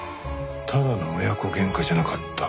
ただの親子喧嘩じゃなかった。